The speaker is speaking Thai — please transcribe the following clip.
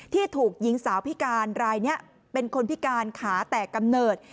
ที่ถูกหญิงสาวพิการรายนี้เป็นคนพิการขาแตกกำเนิด